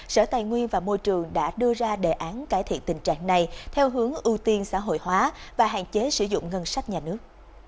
sở tài nguyên và môi trường đã đưa ra đề án cải thiện tình trạng này theo hướng ưu tiên xã hội hóa và hạn chế sử dụng ngân sách nhà nước